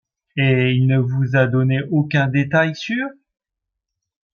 Et il ne vous a donné aucun détail sur…